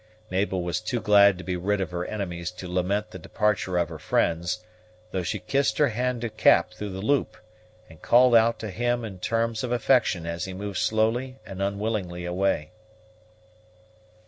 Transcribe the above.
Mabel was too glad to be rid of her enemies to lament the departure of her friends, though she kissed her hand to Cap through the loop, and called out to him in terms of affection as he moved slowly and unwillingly away.